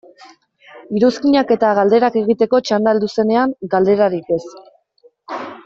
Iruzkinak eta galderak egiteko txanda heldu zenean, galderarik ez.